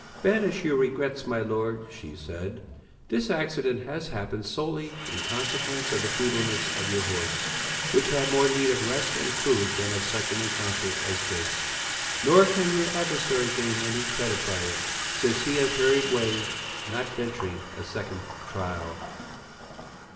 "Banish your regrets, my lord," she said, "this accident has happened solely in consequence of the feebleness of your horse, which had more need of rest and food than of such an encounter as this. Nor can your adversary gain any credit by it, since he has hurried away, not venturing a second trial."